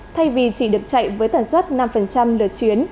thay vì chỉ được chạy với tần suất năm lượt chuyến